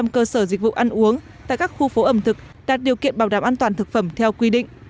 bảy mươi cơ sở dịch vụ ăn uống tại các khu phố ẩm thực đạt điều kiện bảo đảm an toàn thực phẩm theo quy định